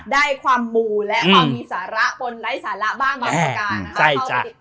ได้ความมูและความมีสาระบ้านบางประการ